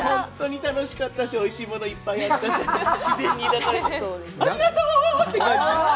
おいしいものもいっぱいあったし、自然に抱かれて、ありがとうって感じ。